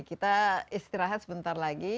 kita istirahat sebentar lagi